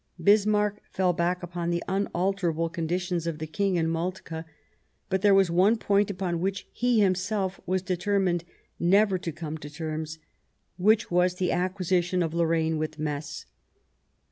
Bismarck fell back upon the unalterable con ditions of the King and Moltke ; but there was one point upon which he himself was determined never to come to terms, which was the acquisition of Lorraine with Metz.